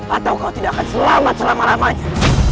atau kau tidak akan selamat selama lamanya